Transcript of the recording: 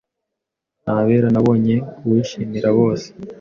Nabera nabonye uwishimira bose